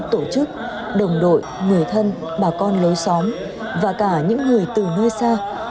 tổ chức đồng đội người thân bà con lối xóm và cả những người từ nơi xa